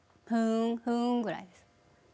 「ふん」ぐらいです。